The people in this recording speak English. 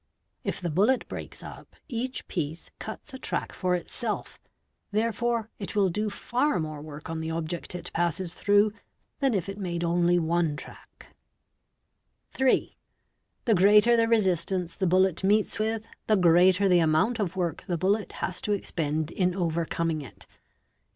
If the bullet breaks up, each piece cuts a track for itself, therefore it will do far more work on the object it passes through than if it made only one track. |; e (3) The greater the resistance the bullet meets with, the greater | the amount of work the bullet has to expend in overcoming it. In GUN SHOT WOUNDS 637 §.